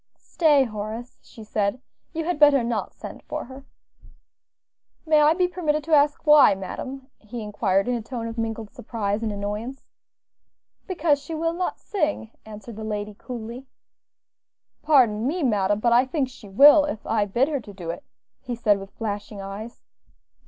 "Stay, Horace," she said; "you had better not send for her." "May I be permitted to ask why, madam?" he inquired in a tone of mingled surprise and annoyance. "Because she will not sing," answered the lady, coolly. "Pardon me, madam, but I think she will, if I bid her to do it," he said with flashing eyes.